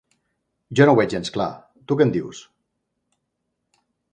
Jo no ho veig gens clar, tu que en dius?